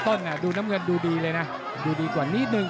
ดูน้ำเงินดูดีเลยนะดูดีกว่านิดนึง